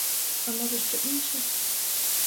А може, що інше?